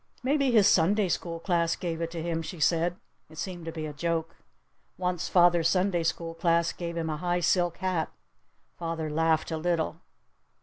"Maybe his Sunday school class gave it to him," she said. It seemed to be a joke. Once father's Sunday school class gave him a high silk hat. Father laughed a little.